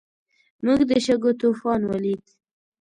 موږ د شګو طوفان ولید.